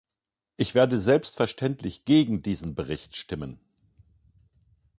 Ich werde selbstverständlich gegen diesen Bericht stimmen.